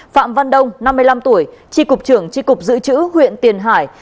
phạm văn đông năm mươi năm tuổi tri cục trưởng tri cục dự trữ huyện tiền hải